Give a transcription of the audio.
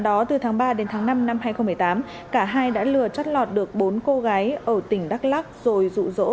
đó từ tháng ba đến tháng năm năm hai nghìn một mươi tám cả hai đã lừa chót lọt được bốn cô gái ở tỉnh đắk lắc rồi rụ rỗ